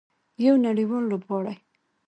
یو نړیوال لوبغاړی.